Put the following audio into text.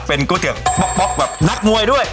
เป็นก๋วยเตี๋ยวป๊อกแบบนักมวยด้วย